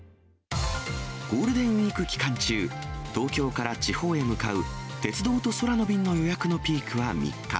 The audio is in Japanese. ゴールデンウィーク期間中、東京から地方へ向かう鉄道と空の便の予約のピークは３日。